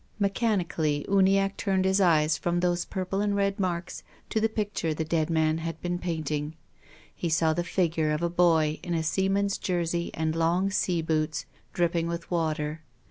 Mechanic ally Uniacke turned his eyes from those purple and red marks to the picture the dead man had been painting. He saw the figure of a boy in a seaman's jersey and long sea boots dripping with water.